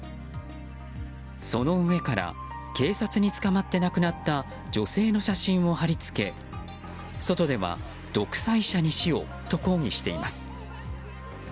その上から、警察に捕まって亡くなった女性の写真を貼り付け外では独裁者に死をと抗議しています。